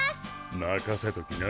任せときな！